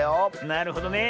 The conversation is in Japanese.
なるほどね。